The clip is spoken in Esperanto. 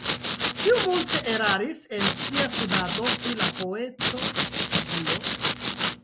Kiu multe eraris en sia studado pri la poeto Sadio.